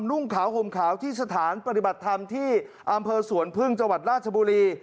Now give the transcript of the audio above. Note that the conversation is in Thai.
นุ่งขาวห่มขาวที่สถานปฏิบัติธรรมที่อำเภอสวนพึ่งจังหวัดราชบุรี